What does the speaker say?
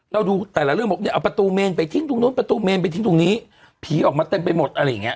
ดูแต่ละเรื่องบอกเนี่ยเอาประตูเมนไปทิ้งตรงนู้นประตูเมนไปทิ้งตรงนี้ผีออกมาเต็มไปหมดอะไรอย่างเงี้